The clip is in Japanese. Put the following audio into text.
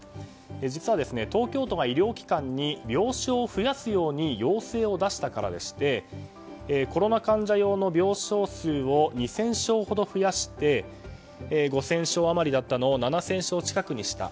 実は、東京都が医療機関に病床を増やすように要請を出したからでしてコロナ患者用の病床数を２０００床ほど増やして５０００床余りだったのを７０００床近くにした。